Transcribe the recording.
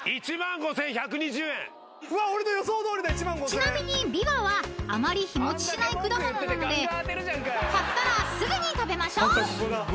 ［ちなみにびわはあまり日持ちしない果物なので買ったらすぐに食べましょう］